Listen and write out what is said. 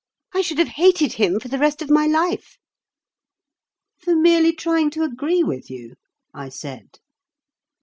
I should have hated him for the rest of my life." "For merely trying to agree with you?" I said.